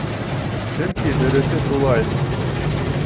Сөнки дөрөҫө шулай.